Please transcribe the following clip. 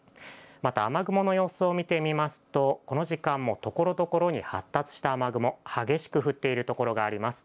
また、雨雲の様子を見てみますと、この時間もところどころに発達した雨雲、激しく降っているところがあります。